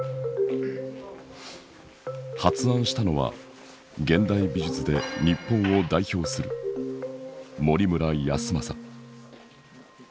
発案したのは現代美術で日本を代表する森村泰昌。